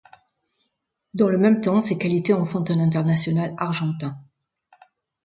Dans le même temps, ses qualités en font un international argentin.